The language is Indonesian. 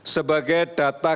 sebagian dari masyarakat